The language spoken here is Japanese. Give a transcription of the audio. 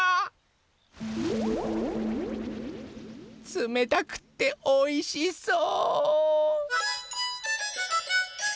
つめたくっておいしそう！